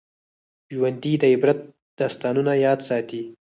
ژوندي د عبرت داستانونه یاد ساتي